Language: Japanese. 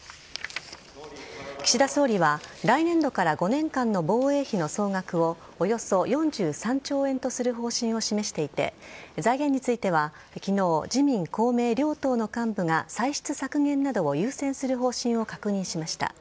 岸田総理は来年度から５年間の防衛費の総額をおよそ４３兆円とする方針を示していて財源については昨日自民、公明両党の幹部が歳出削減などを優先する方針を確認しました。